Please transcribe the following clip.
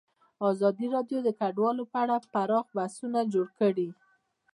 ازادي راډیو د کډوال په اړه پراخ بحثونه جوړ کړي.